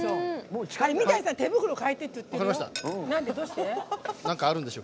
三谷さん、手袋かえてって言ってるよ。